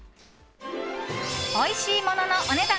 おいしいもののお値段